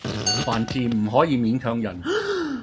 凡事唔可以勉強人